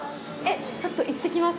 ちょっと行ってきます。